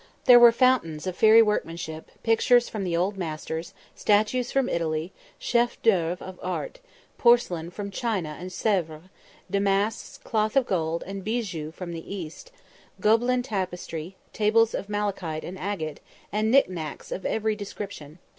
There were fountains of fairy workmanship, pictures from the old masters, statues from Italy, "chefs d'oeuvre" of art; porcelain from China and Sèvres; damasks, cloth of gold, and bijoux from the East; Gobelin tapestry, tables of malachite and agate, and "knick knacks" of every description.